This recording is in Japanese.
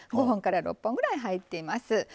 ５本から６本ぐらい入っています。